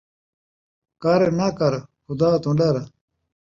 کر ناں کر ، خدا توں ݙر